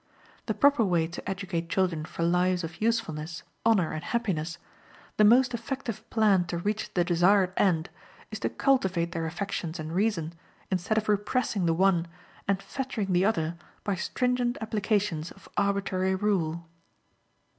The proper way to educate children for lives of usefulness, honor, and happiness, the most effective plan to reach the desired end, is to cultivate their affections and reason, instead of repressing the one and fettering the other by stringent applications of arbitrary rule.